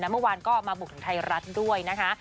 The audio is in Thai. เมื่อวานก็มาบุกถึงไทยรัฐด้วยนะคะ